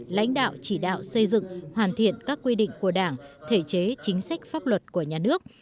lãnh đạo chỉ đạo xây dựng hoàn thiện các quy định của đảng thể chế chính sách pháp luật của nhà nước